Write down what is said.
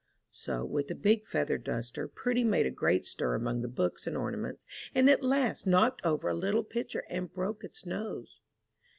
So, with the big feather duster, Prudy made a great stir among the books and ornaments, and at last knocked over a little pitcher and broke its nose.